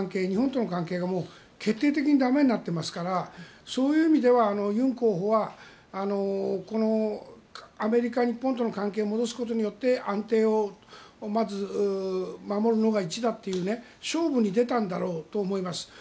日本との関係が決定的に駄目になっていますからそういう意味ではユン候補はアメリカ、日本との関係を戻すことによって安定をまず守るのが一だという勝負に出たんだろうと思います。